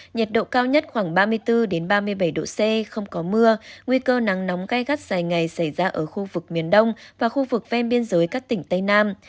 nhiệt độ cao nhất khoảng ba mươi bốn ba mươi bảy độ c không có mưa nguy cơ nắng nóng gai gắt dài ngày xảy ra ở khu vực miền đông và khu vực ven biên giới các tỉnh tây nam